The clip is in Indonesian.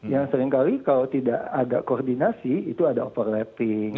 tapi kalau tidak ada koordinasi itu ada overlapping